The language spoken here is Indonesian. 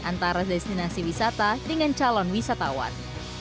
antara destinasi wisata dengan calon wisatawan